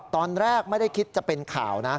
ตอนแรกไม่ได้คิดจะเป็นข่าวนะ